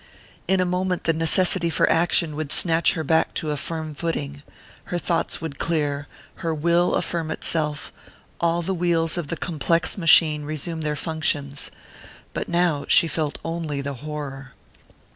In a moment the necessity for action would snatch her back to a firm footing her thoughts would clear, her will affirm itself, all the wheels of the complex machine resume their functions. But now she felt only the horror....